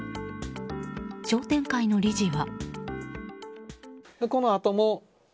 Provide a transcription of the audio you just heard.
商店会の理事は。